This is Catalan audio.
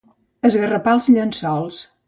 Esgarrapar els llençols.